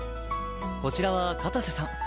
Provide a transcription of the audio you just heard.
こちらは片瀬さん。